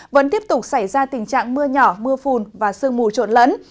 vẫn tiếp tục xảy ra tình trạng mưa nhỏ mưa phùn và sương mù trộn lẫn